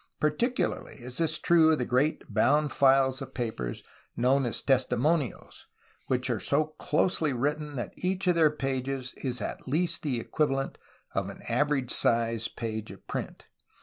Particularly is this true of the great bound files of papers known as testi monios, which are so closely written that each of their pages is at least the equivalent of an average sized page^of print.